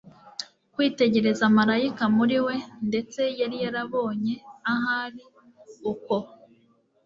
kwitegereza marayika muri we ndetse yari yarabonye, ahari, uko